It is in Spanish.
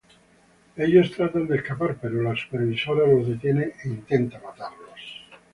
Ellos tratan de escapar, pero la Supervisora los detiene e intenta matarlos.